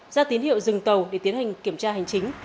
ra tín hiệu dừng tàu để tiến hành kiểm tra hành chính